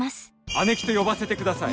アネキと呼ばせてください。